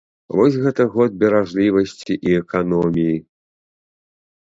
Вось гэта год беражлівасці і эканоміі!